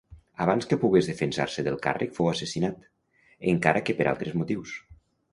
Abans que pogués defensar-se del càrrec fou assassinat, encara que per altres motius.